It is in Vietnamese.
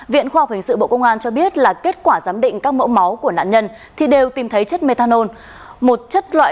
viện khoa học hình sự bộ công an cho biết là kết quả giám định các mẫu máu của nạn nhân thì đều tìm thấy chất methanol